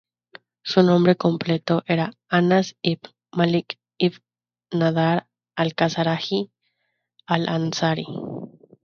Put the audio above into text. Su nombre completo era Anas ibn Malik ibn Nadar al-Khazraji al-Ansari.